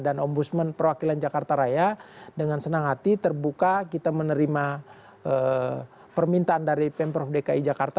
dan ombudsman perwakilan jakarta raya dengan senang hati terbuka kita menerima permintaan dari pemprov dki jakarta